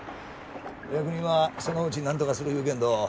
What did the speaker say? お役人はそのうち何とかする言うけんど